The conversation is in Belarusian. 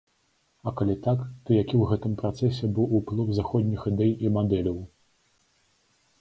А калі так, то які ў гэтым працэсе быў уплыў заходніх ідэй і мадэляў.